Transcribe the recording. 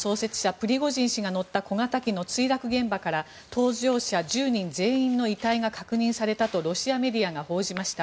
プリゴジン氏が乗った小型機の墜落現場から搭乗者１０人全員の遺体が確認されたとロシアメディアが報じました。